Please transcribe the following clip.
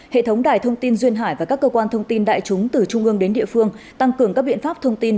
hệ thống đài thông tin duyên hải và các cơ quan thông tin đại chúng từ trung ương đến địa phương tăng cường các biện pháp thông tin